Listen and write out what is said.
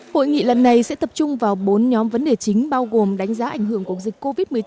hội nghị lần này sẽ tập trung vào bốn nhóm vấn đề chính bao gồm đánh giá ảnh hưởng của dịch covid một mươi chín